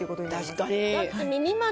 確かに。